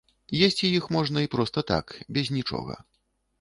Есці іх можна і проста так, без нічога.